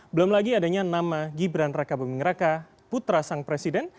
belum lagi adanya nama gibran raka buming raka putra sang presiden